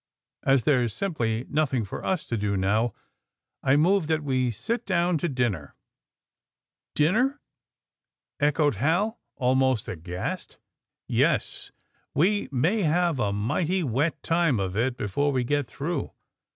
^^As there's simply nothing for us to do now I move that we sit down to dinner." *^ Dinner!" echoed Hal, almost aghast. *^Yes, we may have a mighty wet time of it before we get through.